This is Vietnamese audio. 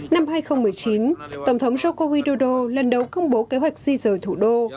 năm hai nghìn một mươi chín tổng thống joko widodo lần đầu công bố kế hoạch di rời thủ đô